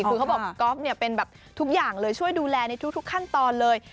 คือเขาบอกก๊อฟเนี่ยเป็นแบบทุกอย่างเลยช่วยดูแลในทุกขั้นตอนเลย